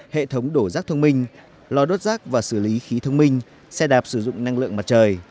hệ thống đổ rác thông minh lò đốt rác và xử lý khí thông minh xe đạp sử dụng năng lượng mặt trời